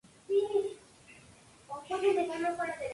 Por lo que las Selecciones de y clasificaron automáticamente.